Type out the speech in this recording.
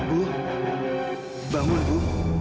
bu bangun bu